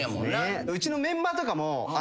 うちのメンバーとかも。